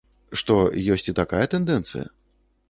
Што, ёсць і такая тэндэнцыя?